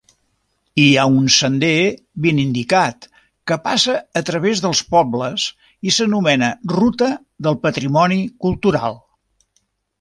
Hi ha un sender ben indicat que passa a través dels pobles i s'anomena Ruta del Patrimoni Cultural.